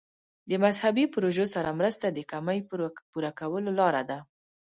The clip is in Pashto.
مذهبي پروژو سره مرسته د کمۍ پوره کولو لاره ده.